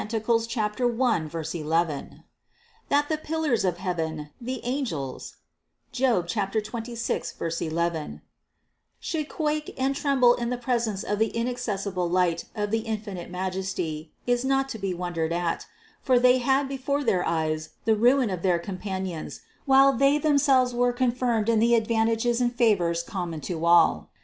1 , 11). THE CONCEPTION 457 592. That the pillars of heaven, the angels (Job 26, II), should quake and tremble in the presence of the in accessible light of the infinite Majesty, is not to be won dered at; for they had before their eyes the ruin of their companions, while they themselves were confirmed in the advantages and favors common to all.